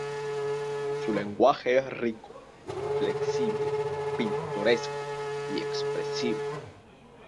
Su lenguaje es rico, flexible, pintoresco y expresivo.